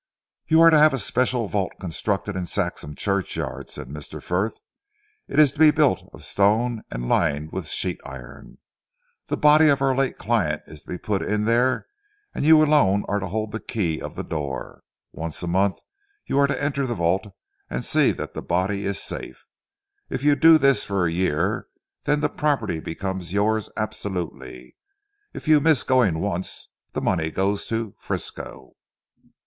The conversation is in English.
"You are to have a special vault constructed in Saxham churchyard," said Mr. Frith, "it is to be built of stone and lined with sheet iron. The body of our late client is to be put in there, and you alone are to hold the key of the door. Once a month you are to enter the vault and see that the body is safe. If you do this for a year then the property becomes yours absolutely. If you miss going once, the money goes to Frisco."